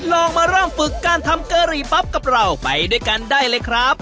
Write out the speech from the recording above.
ลองมาเริ่มฝึกการทำกะหรี่ปั๊บกับเราไปด้วยกันได้เลยครับ